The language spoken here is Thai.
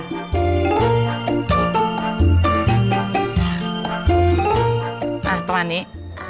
อ่ะประมาณนี้